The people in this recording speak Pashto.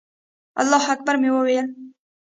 الله اکبر به مې وویل.